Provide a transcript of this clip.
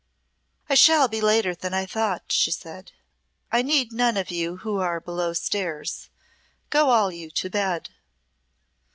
"I shall be later than I thought," she said. "I need none of you who are below stairs. Go you all to bed.